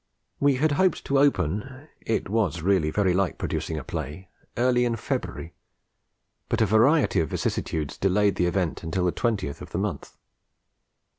We had hoped to open it was really very like producing a play early in February, but a variety of vicissitudes delayed the event until the twentieth of the month.